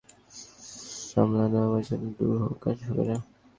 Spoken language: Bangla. কাজেই বিশ্বাস ছিল, গ্রাসকে ঢাকায় সামলানো আমার জন্য দুরূহ কাজ হবে না।